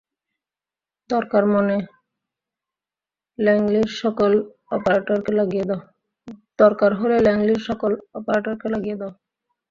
দরকার হলে ল্যাংলির সকল অপারেটরকে লাগিয়ে দাও।